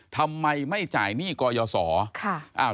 ทำไมไม่จ่ายหนี้กยศ